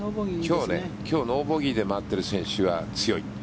今日ノーボギーで回っている選手は強い。